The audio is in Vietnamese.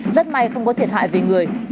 rất may không có thiệt hại về người